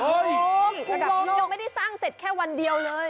คุณอุโมงยังไม่ได้สร้างเสร็จแค่วันเดียวเลย